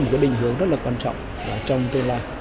một cái định hướng rất là quan trọng trong tương lai